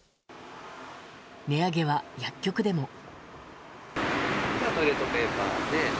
値上げは薬局でも。